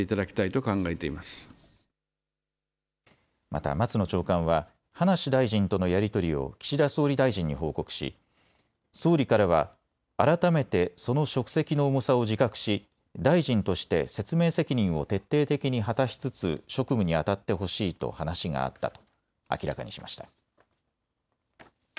また松野長官は葉梨大臣とのやり取りを岸田総理大臣に報告し総理からは改めてその職責の重さを自覚し大臣として説明責任を徹底的に果たしつつ職務にあたってほしいと話があったと明らかにしました。